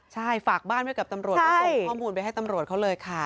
ใช่ฝากบ้านไว้กับตำรวจก็ส่งข้อมูลไปให้ตำรวจเขาเลยค่ะ